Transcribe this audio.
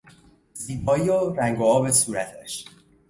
زیبایی و رنگ و آب صورتش